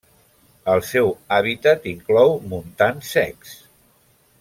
El seu hàbitat inclou montans secs.